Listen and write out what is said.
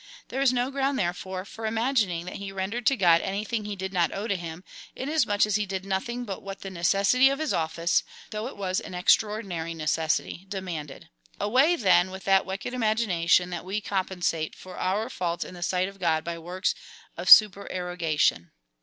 There is no ground, therefore, for imagining that he rendered to God anything that he did not owe to him, inasmuch as he did nothing but what the necessity of his office (though it was an extraordinary necessity) demanded. Away, then, with that wicked imagination,^ that we compensate for our faults in the sight of God by works of supererogation